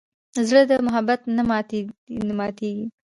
زړه د محبت نه ماتېږي.